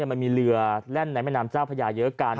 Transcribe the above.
มันมีเรือแล่นในแม่น้ำเจ้าพญาเยอะกัน